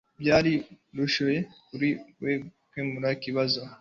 Byari byoroshye kuri we gukemura ikibazo